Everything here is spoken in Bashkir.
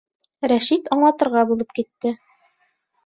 Рәшит аңлатырға булып китте.